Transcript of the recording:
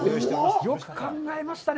よく考えましたね。